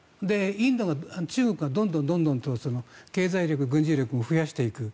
中国がどんどんと経済力、軍事力を増やしていく。